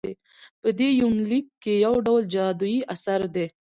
په دې يونليک کې يوډول جادويي اثر دى